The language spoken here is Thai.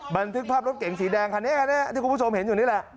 บันทึกภาพรถเก๋งสีแดงคันนี้คันนี้ที่คุณผู้ชมเห็นอยู่นี่แหละ